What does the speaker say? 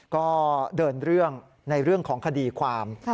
ก็เดินเรื่องในเรื่องของคดีความ